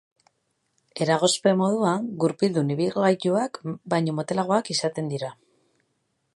Eragozpen moduan, gurpildun ibilgailuak baino motelagoak izaten dira.